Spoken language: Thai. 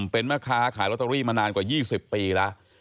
เป็นแม่ค้าขายลอตเตอรี่มานานกว่า๒๐ปีแล้ว